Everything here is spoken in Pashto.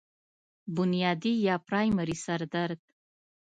بنيادي يا پرائمري سر درد